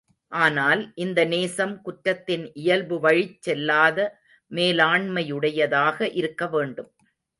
ஆனால், இந்த நேசம் குற்றத்தின் இயல்புவழிச் செல்லாத மேலாண்மையுடையதாக இருக்க வேண்டும்.